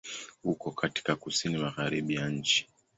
Uko katika Kusini Magharibi ya nchi.